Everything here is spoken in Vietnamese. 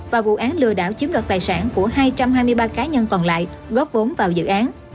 và vụ án lừa đảo chiếm đoạt tài sản của hai trăm hai mươi ba cá nhân còn lại góp vốn vào dự án